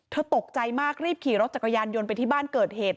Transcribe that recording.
ตกใจมากรีบขี่รถจักรยานยนต์ไปที่บ้านเกิดเหตุ